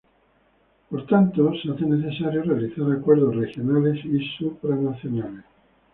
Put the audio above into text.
Por tanto, se hace necesario realizar acuerdos regionales y supranacionales.